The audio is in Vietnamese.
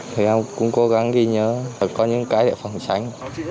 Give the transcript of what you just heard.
thì em cũng cố gắng ghi nhớ và có những cái để phòng tránh